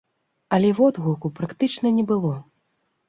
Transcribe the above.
Але водгуку практычна не было.